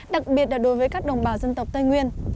đặc biệt là đối với các đồng bào dân tộc tây nguyên